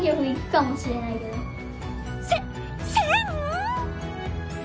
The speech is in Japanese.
せ１，０００！？